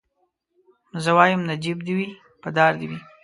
زه وايم نجيب دي وي په دار دي وي